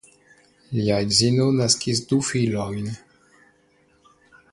Lia edzino naskis du filojn.